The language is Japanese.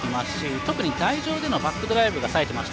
特に台上でのバックドライブがさえてました。